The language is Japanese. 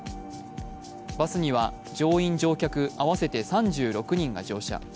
バスには乗員・乗客合わせて３６人が乗車。